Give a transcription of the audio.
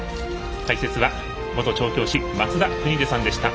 解説は元調教師・松田さんでした。